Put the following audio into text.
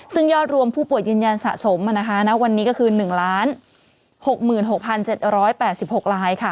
ซึ่งยอดรวมผู้ป่วยยืนยันสะสมณวันนี้ก็คือ๑๖๖๗๘๖ลายค่ะ